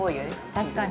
◆確かに。